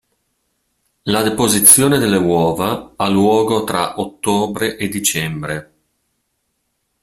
La deposizione delle uova ha luogo tra ottobre e dicembre.